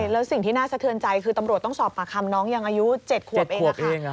แล้วสิ่งที่น่าสะเทือนใจคือตำรวจต้องสอบปากคำน้องยังอายุ๗ขวบเองค่ะ